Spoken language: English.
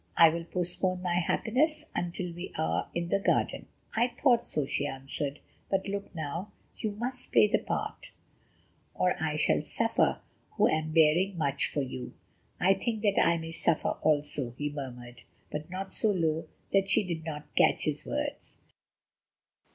I will postpone my happiness until we are in the garden." "I thought so," she answered; "but look now, you must play the part, or I shall suffer, who am bearing much for you." "I think that I may suffer also," he murmured, but not so low that she did not catch his words.